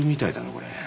これ。